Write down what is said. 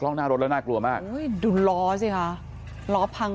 หน้ารถแล้วน่ากลัวมากอุ้ยดูล้อสิคะล้อพัง